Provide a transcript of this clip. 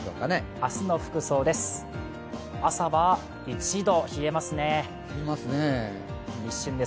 明日の服装です。